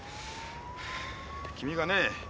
君がねぇ